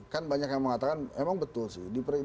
kan banyak yang mengatakan emang betul sih